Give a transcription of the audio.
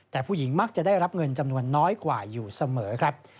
แต่ผู้หญิงมักจะได้รับเงินจำนวนน้อยกว่าอยู่เสมอครับ